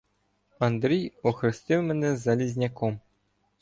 Андрій охрестив мене Залізняком.